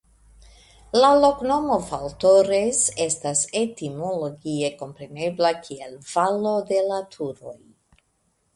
La loknomo "Valtorres" estas etimologie komprenebla kiel "Valo de la Turoj".